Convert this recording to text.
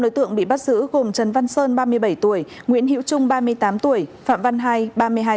năm đối tượng bị bắt giữ gồm trần văn sơn ba mươi bảy tuổi nguyễn hiễu trung ba mươi tám tuổi phạm văn hai ba mươi hai tuổi